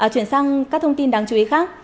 chuyển sang các thông tin đáng chú ý khác